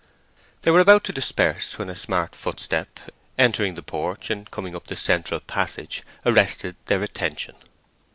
They were about to disperse, when a smart footstep, entering the porch and coming up the central passage, arrested their attention.